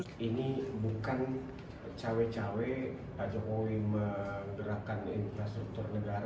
ini bukan cawe cawe pak jokowi menggerakkan infrastruktur negara